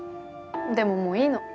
でももういいの。